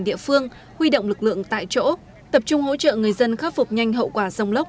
địa phương huy động lực lượng tại chỗ tập trung hỗ trợ người dân khắc phục nhanh hậu quả dông lốc